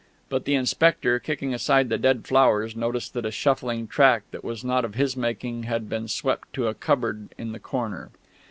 But the inspector, kicking aside the dead flowers, noticed that a shuffling track that was not of his making had been swept to a cupboard in the corner.